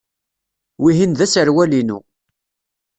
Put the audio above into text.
Wihin d aserwal-inu.